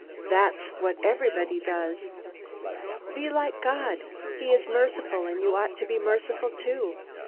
That's what everybody does. Be like God. He is merciful, and you ought to be merciful too.